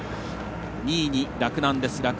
２位に洛南です。